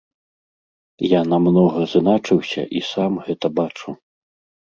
Я намнога зыначыўся і сам гэта бачу.